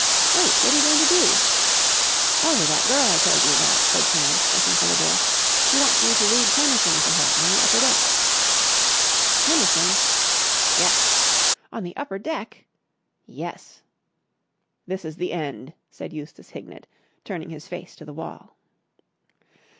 "Wait! What are you going to do?" "Oh, that girl I told you about," said Sam making for the door. "She wants me to read Tennyson to her on the upper deck." "Tennyson?" "Yes." "On the upper deck?" "Yes." "This is the end," said Eustace Hignett, turning his face to the wall.